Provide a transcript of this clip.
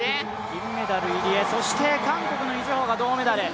銀メダル入江、そして韓国のイ・ジュホ銅メダル。